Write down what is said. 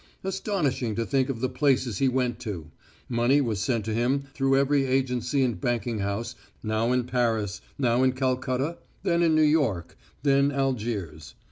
Astonishing to think of the places he went to! Money was sent to him through every agency and banking house, now in Paris, now in Calcutta, then in New York, then Algiers.